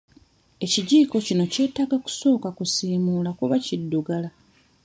Ekijiiko kino kyetaaga kusooka kusiimuula kuba kiddugala.